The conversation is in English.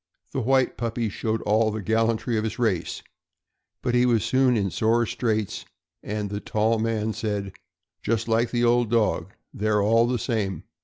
The white puppy showed all the gallantry of his race, but he was soon in sore straits, and the tall man said: "Just like the old dog. They're all the same.